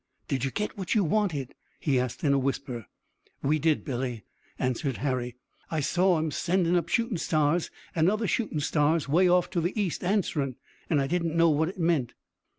"Did you get what you wanted?" he asked in a whisper. "We did, Billy," answered Harry. "I saw 'em sendin' up shootin' stars an' other shootin' stars way off to the east answerin', an' I didn't know what it meant."